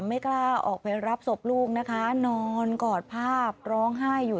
ไม่กล้าออกไปรับศพลูกนะคะนอนกอดภาพร้องไห้อยู่